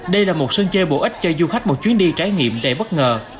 đây là một sân chơi bổ ích cho du khách một chuyến đi trải nghiệm đầy bất ngờ